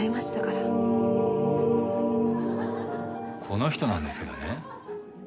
この人なんですけどね。